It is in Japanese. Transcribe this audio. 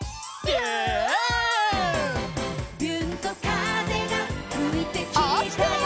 「びゅーんと風がふいてきたよ」